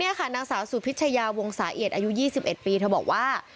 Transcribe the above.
นี่ค่ะนางสาวสุพิชยาวงศาเอียดอายุ๒๑ปีเธอบอกว่า